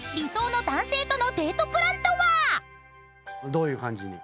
どういう感じに？